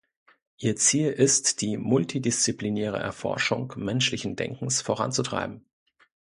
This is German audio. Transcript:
Ihr Ziel ist, die multidisziplinäre Erforschung menschlichen Denkens voranzutreiben.